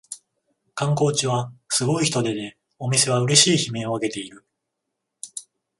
観光地はすごい人出でお店はうれしい悲鳴をあげている